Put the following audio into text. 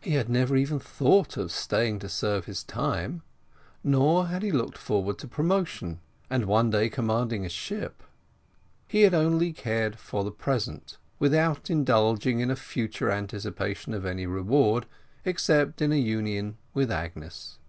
He had never even thought of staying to serve his time, nor had he looked forward to promotion, and one day commanding a ship. He had only cared for the present, without indulging in a future anticipation of any reward, except in a union with Agnes.